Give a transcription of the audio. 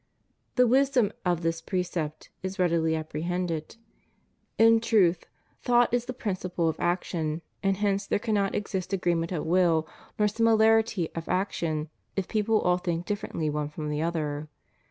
* The wisdom of this precept is readily apprehended. In truth, thought is the principle of action, and hence there cannot exist agreement of will, nor similarity of action, if people all think differently one from the other.